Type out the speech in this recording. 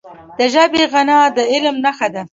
د ژبي غنا د علم نښه ده.